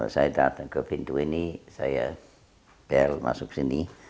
saya datang ke pintu ini saya bel masuk sini